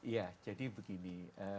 ya jadi begini